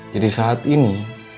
jadi saat ini